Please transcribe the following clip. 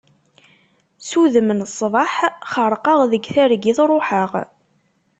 S udem n ṣṣbaḥ, xerqeɣ deg targit ṛuḥeɣ.